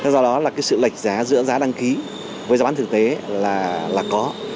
do đó là cái sự lệch giá giữa giá đăng ký với giá bán thực tế là có